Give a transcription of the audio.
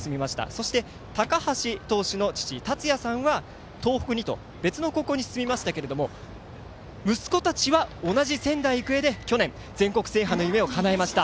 そして、高橋投手の父たつやさんは、東北にと別の高校に進みましたが息子たちは、同じ仙台育英で去年全国制覇の夢をかなえました。